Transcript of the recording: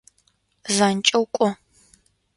Занкӏэу кӏо!